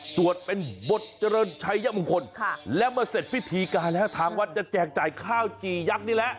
สวดเป็นบทเจริญชัยมงคลแล้วเมื่อเสร็จพิธีการแล้วทางวัดจะแจกจ่ายข้าวจี่ยักษ์นี่แหละ